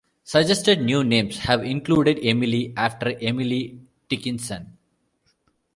Suggested new names have included "Emily", after Emily Dickinson.